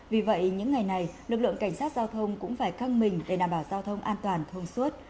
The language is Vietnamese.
vì vậy những ngày này lực lượng cảnh sát giao thông cũng phải căng mình để đảm bảo giao thông an toàn thông suốt